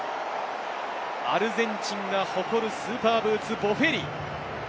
アルゼンチンが誇るスーパーブーツ、ボフェリ。